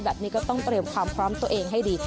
แบบนี้ก็ต้องเตรียมความพร้อมตัวเองให้ดี